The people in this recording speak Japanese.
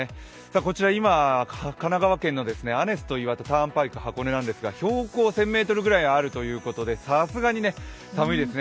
こちら、今、神奈川県のアネスト岩田ターンパイク箱根なんですが標高１０００ｍくらいあるということでさすがに寒いですね。